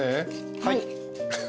はい。